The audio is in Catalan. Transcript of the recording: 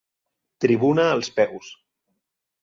Tribuna als peus.